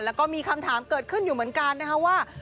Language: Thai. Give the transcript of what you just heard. แล้วก็มีคำถามเกิดขึ้นอยู่เหมือนกันนะคะว่า